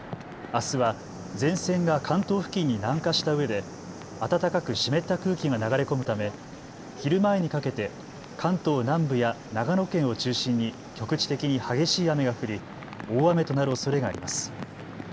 あすは前線が関東付近に南下したうえで暖かく湿った空気が流れ込むため昼前にかけて関東南部や長野県を中心に局地的に激しい雨が降り大雨となるおそれがあります。